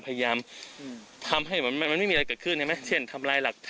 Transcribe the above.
เผาสตได้ให้มันให้มันให้มันมันเปลี่ยน